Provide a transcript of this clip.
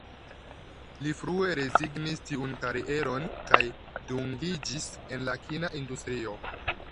Li frue rezignis tiun karieron, kaj dungiĝis en la kina industrio.